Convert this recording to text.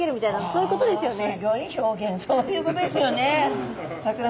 そういうことですね。